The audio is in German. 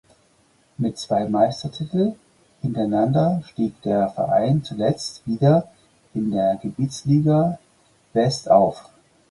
Mit zwei Meistertitel hintereinander stieg der Verein zuletzt wieder in der Gebietsliga West auf.